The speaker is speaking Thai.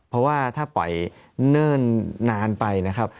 เพราะว่าถ้าปล่อยเนิ่นนานไปนะครับ